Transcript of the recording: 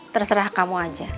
terserah kamu aja